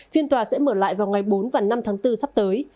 phiên tòa sẽ mở lại vào ngày bốn và năm tháng bốn sắp tới